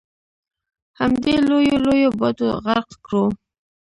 همدې لویو لویو باټو غرق کړو.